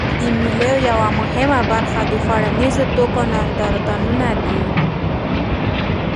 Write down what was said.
د مېلو یوه مهمه برخه د خوړنیزو توکو نندارتونونه دي.